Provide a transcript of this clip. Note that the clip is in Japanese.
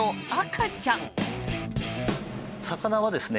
魚はですね